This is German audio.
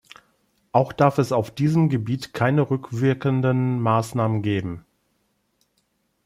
Auch darf es auf diesem Gebiet keine rückwirkenden Maßnahmen geben.